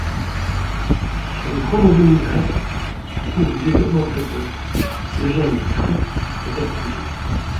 Sur le chromosome Y, au cours du développement précoce, le gène Sry est activé.